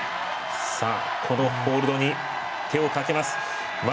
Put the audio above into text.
このホールドに手を掛けます。